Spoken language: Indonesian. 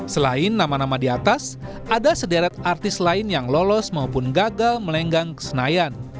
selain nama nama di atas ada sederet artis lain yang lolos maupun gagal melenggang ke senayan